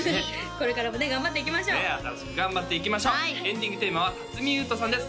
これからも頑張っていきましょうねえ新しく頑張っていきましょうエンディングテーマは辰巳ゆうとさんです